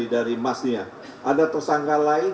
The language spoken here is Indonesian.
dari mas ini ya ada tersangkaan lain